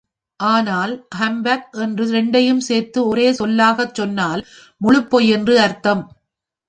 ஆனால், ஹம்பக் என்று இரண்டையும் சேர்த்து ஒரே சொல்லாகச் சொன்னால் முழுப்பொய் என்று அர்த்தம்.